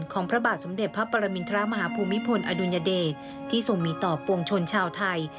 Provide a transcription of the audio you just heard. พระบาทสมเด็จพระปรมินทรมาฮภูมิพลอดุลยเดชที่ทรงมีต่อปวงชนชาวไทย